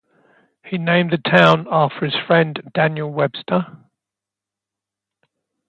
He named the town after his friend Daniel Webster.